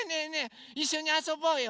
いっしょにあそぼうよ。